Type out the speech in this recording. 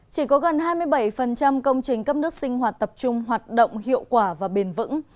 chỉ có gần hai mươi bảy công trình cấp nước sinh hoạt tập trung hoạt động hiệu quả và bền vững